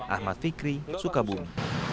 ahmad fikri sukabumi